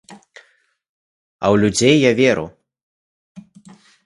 А ў людзей я веру.